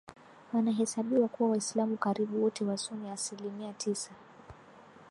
wanahesabiwa kuwa Waislamu karibu wote Wasuni asilimia tisa